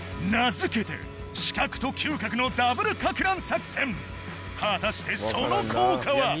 名付けて視覚と嗅覚のダブルかく乱作戦果たしてその効果は？